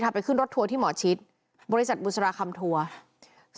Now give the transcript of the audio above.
ไปขึ้นรถทัวร์ที่หมอชิดบริษัทบุษราคำทัวร์